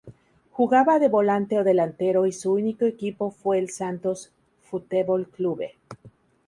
Jugaba de volante o delantero y su único equipo fue el Santos Futebol Clube.